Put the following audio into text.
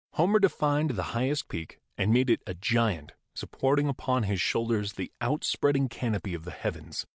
Homer defined the highest peak and made it a giant sup porting upon his shoulders the outspreading canopy of* the heavens.